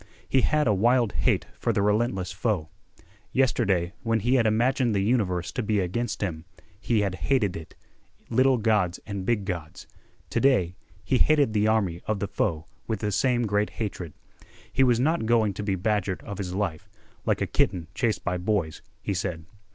He had a wild hate for the relentless foe. Yesterday, when he had imagined the universe to be against him, he had hated it, little gods and big gods; to day he hated the army of the foe with the same great hatred. He was not going to be badgered of his life, like a kitten chased by boys, he said.